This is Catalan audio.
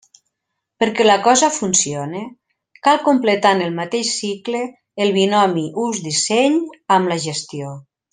Perquè la cosa «funcione», cal completar en el mateix cicle el binomi ús-disseny amb la gestió.